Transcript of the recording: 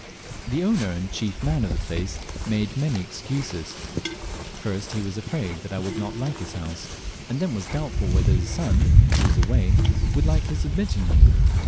The owner and chief man of the place made many excuses. First, he was afraid I would not like his house, and then was doubtful whether his son, who was away, would like his admitting me.